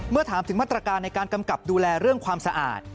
เมื่อถามถึงมาตรการในการกำกับดูแลเรื่องความสะอาด